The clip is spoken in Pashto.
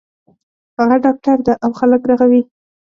هغه ډاکټر ده او خلک رغوی